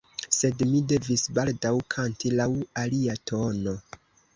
Sed mi devis baldaŭ kanti laŭ alia tono.